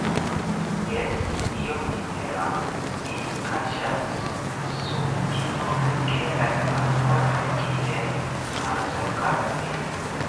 Jes; io mistera sin kaŝas sub tio, ke la gepatroj tiel malzorgas vin.